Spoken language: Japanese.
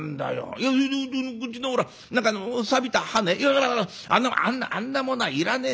いやこっちのほら何かさびた刃ねいやあのあんなあんなものはいらねえんだけどもよ